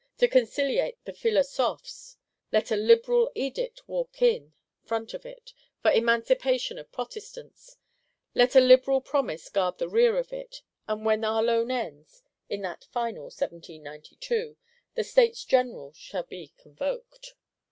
To conciliate the Philosophes, let a liberal Edict walk in front of it, for emancipation of Protestants; let a liberal Promise guard the rear of it, that when our Loan ends, in that final 1792, the States General shall be convoked.